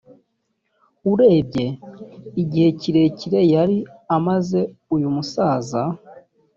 urebye igihe kirekire yari amaze uyu musaza